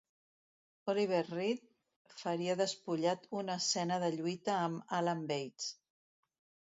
Oliver Reed faria despullat una escena de lluita amb Alan Bates.